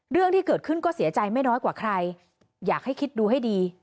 เรื่องที่เกิดขึ้นก็เสียใจไม่น้อยกว่าใครอยากให้คิดดูให้ดี